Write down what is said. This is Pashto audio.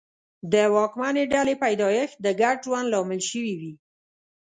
د واکمنې ډلې پیدایښت د ګډ ژوند لامل شوي وي.